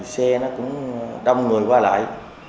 xe nó cũng đông người qua lại